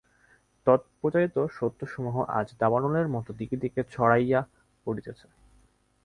তৎপ্রচারিত সত্যসমূহ আজ দাবানলের মত দিকে দিকে ছড়াইয়া পড়িতেছে।